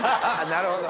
なるほど！